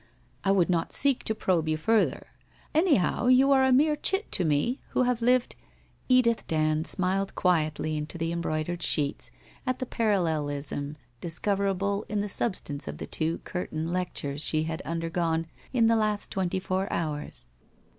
I would not seek to probe you farther. Anyhow, you arc a mere chit to me, who have lived ' Edith Uand smiled quietly into the embroidered sheets at the parallelism discoverable in the substance of the two curtain lectures she had undergone in the last twenty four hours.